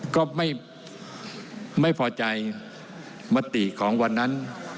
ก็ไม่พอใจมติของวันนั้น